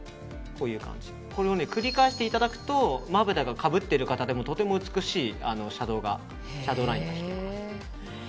これを繰り返していただくとまぶたがかぶっている方でもとても美しいシャドーラインが引けます。